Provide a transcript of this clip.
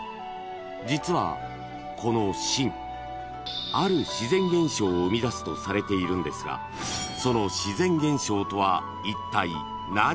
［実はこの蜃ある自然現象を生み出すとされているんですがその自然現象とはいったい何？］